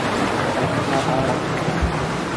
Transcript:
برېښنا لاړه تیاره شوه